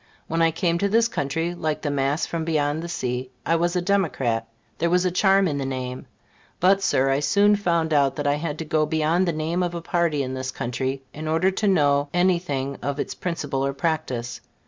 When I came to this country, like the mass from beyond the sea, I was a Democrat; there was a charm in the name. But, Sir, I soon found that I had to go beyond the name of a party in this country, in order to know any thing of its principles or practice.